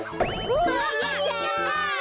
うわやった。